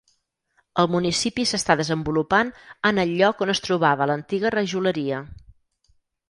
El municipi s'està desenvolupant en el lloc on es trobava l'antiga rajoleria.